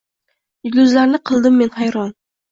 Yulduzlarni qildim men hayron.